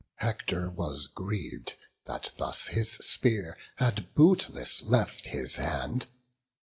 Hector was griev'd, That thus his spear had bootless left his hand.